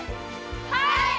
はい！